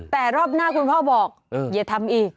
แต่รอบหน้าคุณพ่อบอกอย่าทำอีก